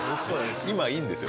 今いいんですよ